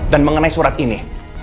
dan mengenai surat ini